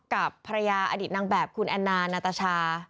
กับภรรยาอดีตนางแบบคุณแอนนานาตาชา